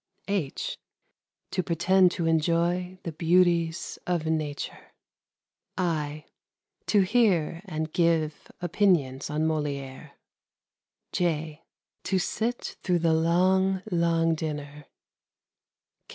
(h) To pretend to enjoy the beauties of nature. (i) To hear and give opinions on Molière. (j) To sit through the long, long dinner.